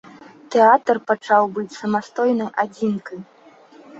Тэатр пачаў быць самастойнай адзінкай.